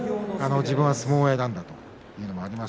自分は相撲を選んだということもあります。